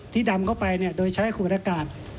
ที่ดำเข้าไปเนี่ยโดยใช้ขวดอากาศ